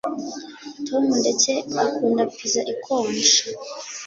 tom ndetse akunda pizza ikonje